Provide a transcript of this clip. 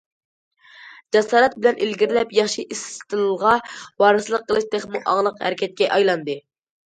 جاسارەت بىلەن ئىلگىرىلەپ، ياخشى ئىستىلغا ۋارىسلىق قىلىش تېخىمۇ ئاڭلىق ھەرىكەتكە ئايلاندى.